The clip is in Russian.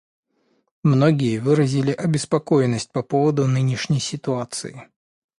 Многие выразили обеспокоенность по поводу нынешней ситуации.